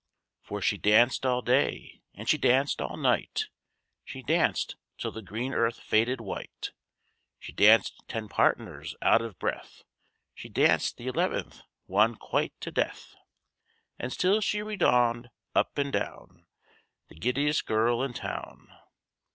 For she danced all day and she danced all night; She danced till the green earth faded white; She danced ten partners out of breath; She danced the eleventh one quite to death; And still she redowaed up and down The giddiest girl in town.